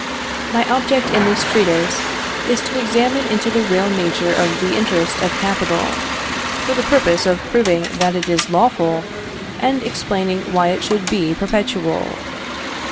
My object in this treatise is to examine into the real nature of the Interest of Capital, for the purpose of proving that it is lawful, and explaining why it should be perpetual.